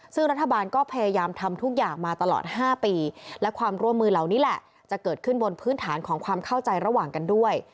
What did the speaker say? ซึ่งรัฐบาลก็พยายามทำทุกอย่างมาตลอด๕ปีและความร่วมมือเหล่านี้แหละจะเกิดขึ้นบนพื้นฐานของความเข้าใจระหว่างกันด้วย